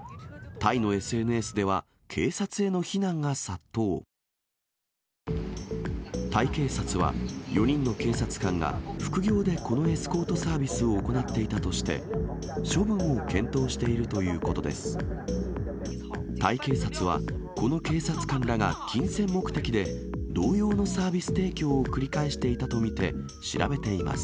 タイ警察は、４人の警察官が副業でこのエスコートサービスを行っていたとして、処分を検討しているということです。